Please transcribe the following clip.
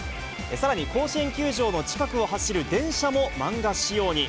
さらに甲子園球場の近くを走る電車も漫画仕様に。